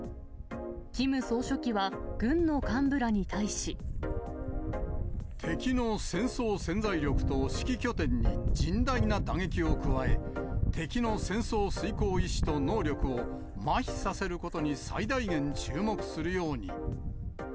キム総書記は軍の幹部らに対し。敵の戦争潜在力と指揮拠点に甚大な打撃を加え、敵の戦争遂行意志と能力をまひさせることに最大限注目するように。